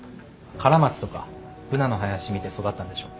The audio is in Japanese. カラマツとかブナの林見て育ったんでしょ。